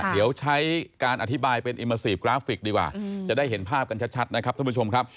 เดี๋ยวใช้การอธิบายเป็นอิมเมอร์ซีฟกราฟิกดีกว่าจะได้เห็นภาพกันชัดนะครับท่านผู้ชมครับ